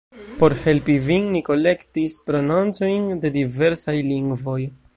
Por helpi vin, ni kolektis prononcojn de diversaj lingvoj.